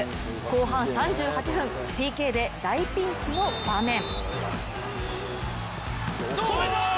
後半３８分、ＰＫで大ピンチの場面。